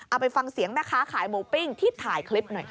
เอาไปฟังเสียงแม่ค้าขายหมูปิ้งที่ถ่ายคลิปหน่อยค่ะ